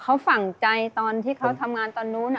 เขาฝั่งใจตอนที่เขาทำงานตอนนู้น